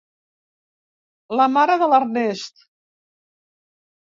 La mare de l'Ernest.